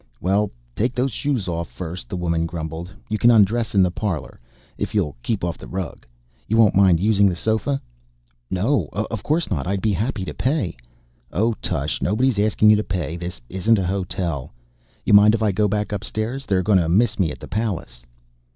"Well, take those shoes off, first," the woman grumbled. "You can undress in the parlor, if you'll keep off the rug. You won't mind using the sofa?" "No, of course not. I'd be happy to pay " "Oh, tush, nobody's asking you to pay. This isn't a hotel. You mind if I go back upstairs? They're gonna miss me at the palace."